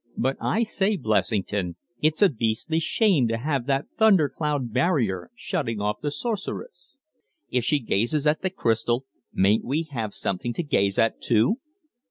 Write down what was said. But I say, Blessington, it's a beastly shame to have that thunder cloud barrier shutting off the sorceress. If she gazes at the crystal, mayn't we have something to gaze at, too?"